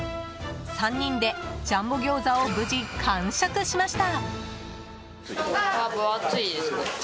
３人でジャンボギョーザを無事、完食しました。